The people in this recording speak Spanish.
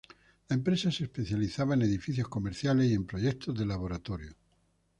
La empresa se especializaba en edificios comerciales y en proyectos de laboratorio.